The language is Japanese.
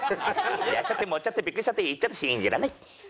やっちゃって盛っちゃってビックリしちゃっていっちゃって信じらんない！